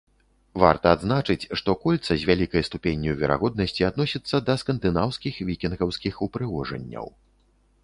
Варта адзначыць, што кольца з вялікай ступенню верагоднасці адносіцца да скандынаўскіх вікінгаўскіх упрыгожанняў.